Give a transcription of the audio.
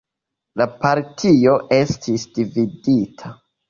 La partio estis dividita.